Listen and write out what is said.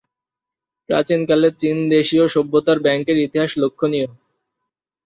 প্রাচীন কালে চীন দেশীয় সভ্যতায় ব্যাংকের ইতিহাস লক্ষণীয়।